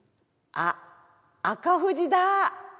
あっ赤富士だ。